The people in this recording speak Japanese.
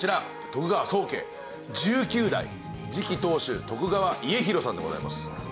徳川宗家１９代次期当主川家広さんでございます。